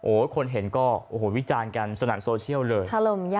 โอ้โหคนเห็นก็วิจารณ์กันสนั่นโซเชียลเลย